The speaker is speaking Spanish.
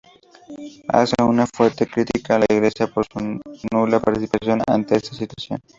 Hace una fuerte crítica a la iglesia por su nula participación ante esta situación.